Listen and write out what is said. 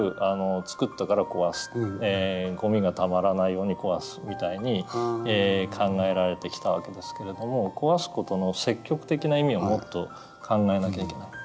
ゴミがたまらないように壊すみたいに考えられてきた訳ですけれども壊す事の積極的な意味をもっと考えなきゃいけない。